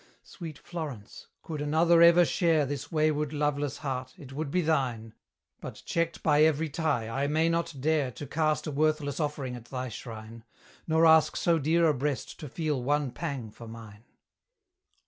Sweet Florence! could another ever share This wayward, loveless heart, it would be thine: But checked by every tie, I may not dare To cast a worthless offering at thy shrine, Nor ask so dear a breast to feel one pang for mine.